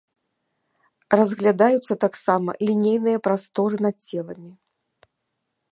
Разглядаюцца таксама лінейныя прасторы над целамі.